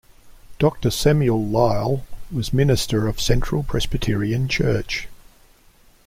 Doctor Samuel Lyle, was minister of Central Presbyterian Church.